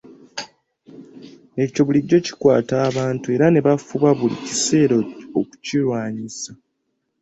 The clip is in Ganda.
Ekyo bulijjo kikwata abantu era ne bafuba buli kiseera okukirwanyisa.